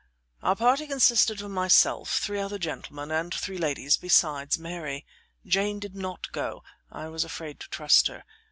Our party consisted of myself, three other gentlemen and three ladies besides Mary. Jane did not go; I was afraid to trust her.